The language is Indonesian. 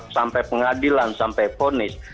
sampai pengadilan sampai ponis